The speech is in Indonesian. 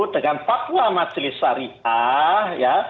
dengan fatwa majelis syariah ya